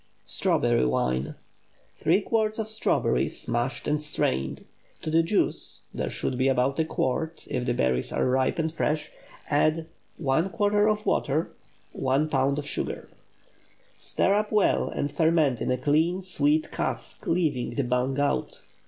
STRAWBERRY WINE. 3 quarts of strawberries, mashed and strained. To the juice (there should be about a quart, if the berries are ripe and fresh) add 1 quart of water. 1 lb. of sugar. Stir up well and ferment in a clean, sweet cask, leaving the bung out.